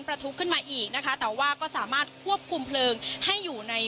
ทุกขึ้นมาอีกนะคะแต่ว่าก็สามารถควบคุมเพลิงให้อยู่ใน